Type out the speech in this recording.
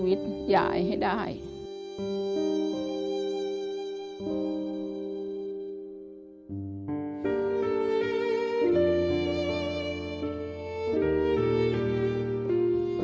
ทำงานชื่อนางหยาดฝนภูมิสุขอายุ๕๔ปี